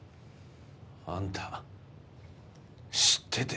あんた知ってて？